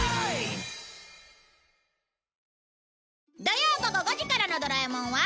土曜午後５時からの『ドラえもん』は